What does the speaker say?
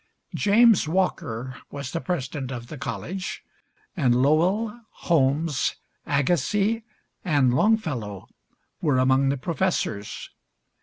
James Walker was the president of the college, and Lowell, Holmes, Agassiz, and Longfellow were among the professors.